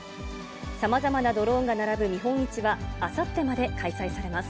さまざまなドローンが並ぶ見本市は、あさってまで開催されます。